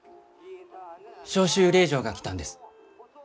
召集令状が来たんです。